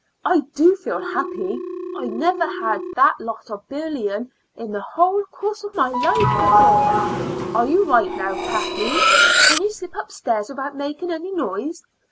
I do feel happy! I never had all that lot of bullion in the whole course of my life before. Are you right now, Kathleen can you slip upstairs without making any noise?